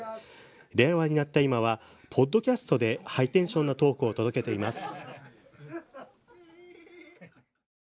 令和になった今はポッドキャストでハイテンションなトークを届けています。